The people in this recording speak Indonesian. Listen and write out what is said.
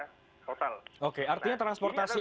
total oke artinya transportasi